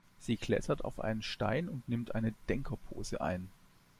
Sie klettert auf einen Stein und nimmt eine Denkerpose ein.